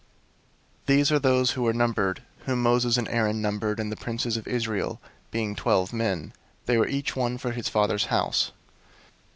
001:044 These are those who were numbered, whom Moses and Aaron numbered, and the princes of Israel, being twelve men: they were each one for his fathers' house.